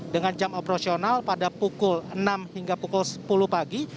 dengan jam operasional pada pukul enam hingga pukul sepuluh pagi